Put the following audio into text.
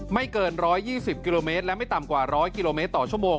ไม่เกิน๑๒๐กิโลเมตรและไม่ต่ำกว่า๑๐๐กิโลเมตรต่อชั่วโมง